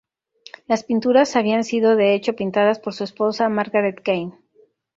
Las pinturas habían sido de hecho pintadas por su esposa Margaret Keane.